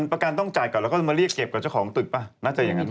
ประกันต้องจ่ายก่อนแล้วก็จะมาเรียกเก็บกับเจ้าของตึกป่ะน่าจะอย่างนั้นป